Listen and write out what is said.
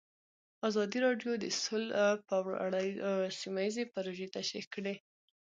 ازادي راډیو د سوله په اړه سیمه ییزې پروژې تشریح کړې.